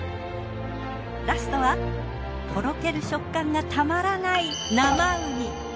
ラストはとろける食感がたまらない生ウニ。